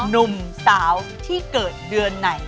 หนุ่มสาวที่เกิดเดือนไหน